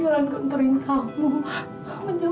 semua yang kau berikan pada aku pak